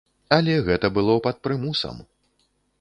Але гэта было пад прымусам.